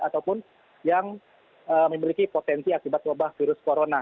ataupun yang memiliki potensi akibat wabah virus corona